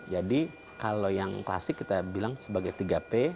jadi kalau yang klasik kita bilang sebagai tiga p